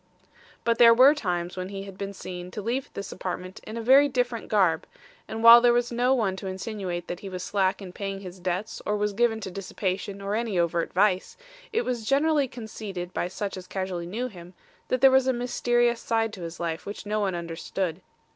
"But there were times when he had been seen to leave this apartment in a very different garb, and while there was no one to insinuate that he was slack in paying his debts or was given to dissipation or any overt vice, it was generally conceded by such as casually knew him, that there was a mysterious side to his life which no one understood.